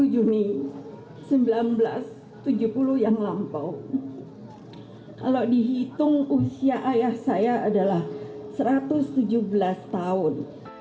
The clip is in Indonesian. kalau dihitung usia ayah saya adalah satu ratus tujuh belas tahun